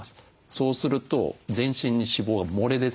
そうすると全身に脂肪が漏れ出てきます。